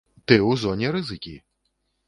Ты ў зоне рызыкі!